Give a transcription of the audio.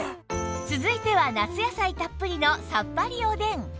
続いては夏野菜たっぷりのさっぱりおでん